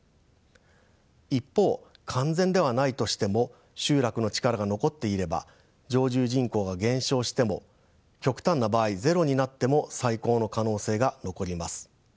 一方完全ではないとしても集落の力が残っていれば常住人口が減少しても極端な場合ゼロになっても再興の可能性が残ります。